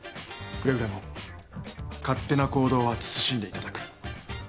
くれぐれも勝手な行動は慎んでいただく。